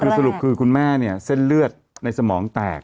คือสรุปคือคุณแม่เนี่ยเส้นเลือดในสมองแตก